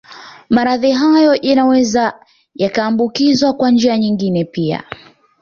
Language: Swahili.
Maradhi hayo yanaweza yakaambukizwa kwa njia nyingine pia